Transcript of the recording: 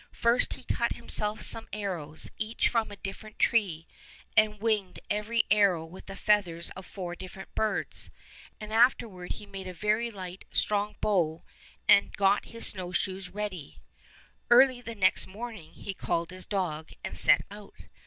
First he cut himself some arrows, each from a different tree, and winged every arrow with the feathers of four different birds, and after ward he made a very light, strong bow, and got his snowshoes ready. 75 Fairy Tale Bears Early the next morning he called his dog and set out.